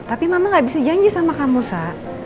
tapi mama gak bisa janji sama kamu sa